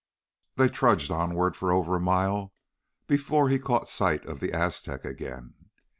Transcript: They trudged onward for over a mile before he caught sight of the Aztec again.